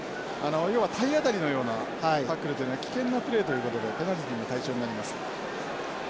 要は体当たりのようなタックルというのは危険なプレーということでペナルティーの対象になります。